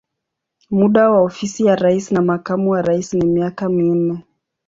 Muda wa ofisi ya rais na makamu wa rais ni miaka minne.